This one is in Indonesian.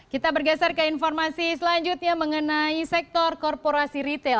kita bergeser ke informasi selanjutnya mengenai sektor korporasi retail